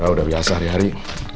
udah biasa hari hari